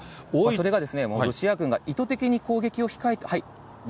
それが、ロシア軍が意図的に攻撃を控えて。